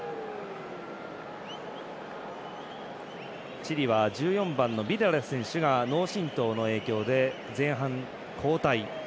チリは１４番のビデラ選手が脳震とうで前半、交代。